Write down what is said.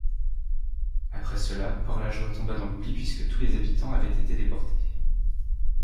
Après cela, Port-LaJoye tomba dans l'oubli puisque les habitants avait été déportés.